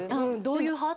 「どういう派？」